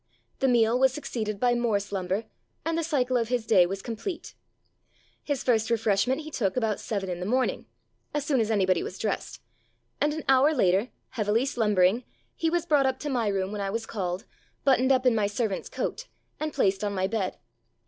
The meal was succeeded by more slumber, and the cycle of his day was complete. His first refreshment he took about seven in the morning — as soon as anybody was dressed — and an hour later, heavily slumbering, he was brought up to my room when I was called, buttoned up in my servant's coat, and placed on my bed.